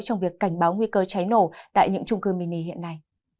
trong việc cảnh báo nguy cơ cháy nổ tại những trung cư mini hiện nay